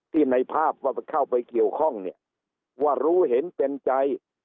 ในภาพว่าเข้าไปเกี่ยวข้องเนี่ยว่ารู้เห็นเป็นใจ